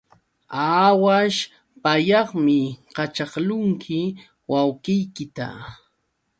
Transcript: Aawaśh pallaqmi kaćhaqlunki wawqiykita.